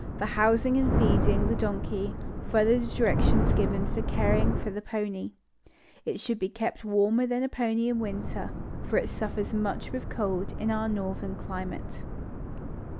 For housing and feeding the donkey, follow the directions given for caring for the pony. It should be kept warmer than the pony in winter, for it suffers much with cold in our northern climate.